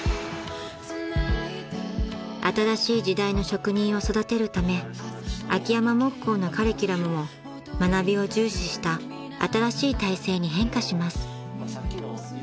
［新しい時代の職人を育てるため秋山木工のカリキュラムも学びを重視した新しい体制に変化します］